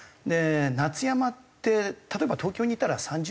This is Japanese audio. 夏山って例えば東京にいたら３０度じゃないですか。